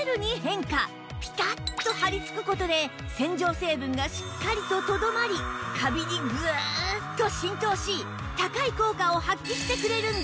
ピタッと張りつく事で洗浄成分がしっかりととどまりカビにグーッと浸透し高い効果を発揮してくれるんです